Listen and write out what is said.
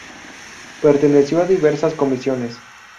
Perteneció a diversas comisiones.